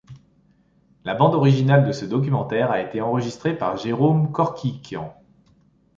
La bande originale de ce documentaire a été enregistrée par Jérôme Korkikian.